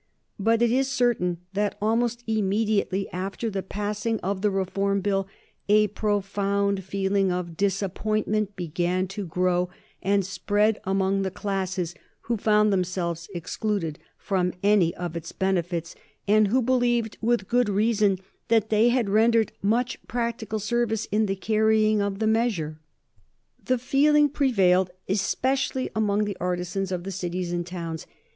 But it is certain that almost immediately after the passing of the Reform Bill a profound feeling of disappointment began to grow and spread among the classes who found themselves excluded from any of its benefits, and who believed, with good reason, that they had rendered much practical service in the carrying of the measure. The feeling prevailed especially among the artisans in the cities and towns.